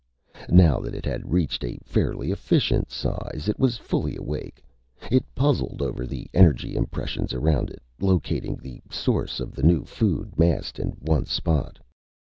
Now that it had reached a fairly efficient size, it was fully awake. It puzzled over the energy impressions around it, locating the source of the new food massed in one spot.